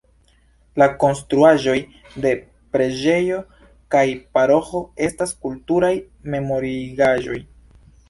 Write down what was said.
La konstruaĵoj de preĝejo kaj paroĥo estas kulturaj memorigaĵoj.